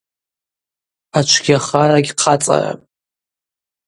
Ачвгьахара гьхъацӏарам.